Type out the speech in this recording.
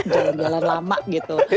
jalan jalan lama gitu